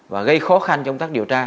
và gây khó khăn trong các điều tra